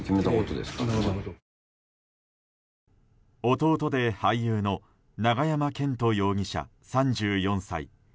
弟で俳優の永山絢斗容疑者、３４歳。